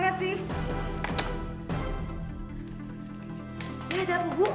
gak ada apa bu